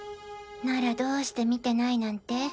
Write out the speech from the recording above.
ならどうして見てないなんて？